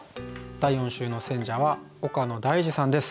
第４週の選者は岡野大嗣さんです。